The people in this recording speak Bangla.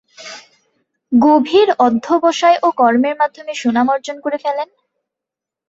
গভীর অধ্যবসায় ও কর্মের মাধ্যমে সুনাম অর্জন করে ফেলেন।